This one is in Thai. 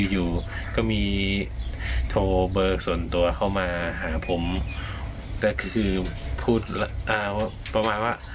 อยู่ก็มีโทรเบอร์ส่วนตัวเข้ามาหาผมแต่คือพูดอ้าวประมาณว่า